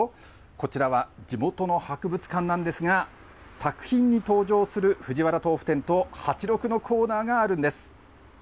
こちらは地元の博物館なんですが、作品に登場する藤原とうふ店とハチロクのコーナーがあるんです。